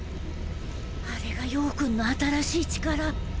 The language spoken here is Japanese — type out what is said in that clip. あれが葉くんの新しい力。